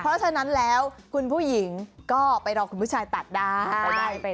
เพราะฉะนั้นแล้วคุณผู้หญิงก็ไปรอคุณผู้ชายตัดได้